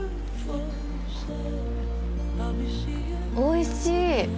おいしい！